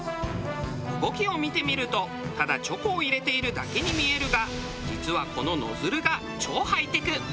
動きを見てみるとただチョコを入れているだけに見えるが実はこのノズルが超ハイテク。